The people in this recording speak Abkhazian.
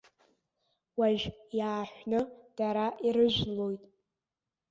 Уажә иааҳәны дара ирыжәлоит.